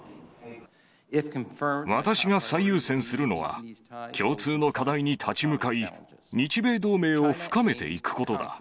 私が最優先するのは、共通の課題に立ち向かい、日米同盟を深めていくことだ。